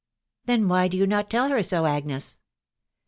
Then why do you not tell her so, Agnes